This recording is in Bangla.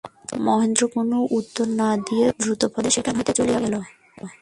মহেন্দ্র কোনো উত্তর না দিয়া দ্রুতপদে সেখান হইতে চলিয়া গেল।